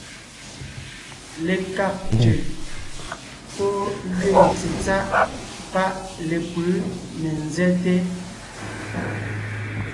Lekág ntʉ̀ pɔ́ gẅeen tsetsáʼ paʼ lepʉ̌ ne nzɛ́te,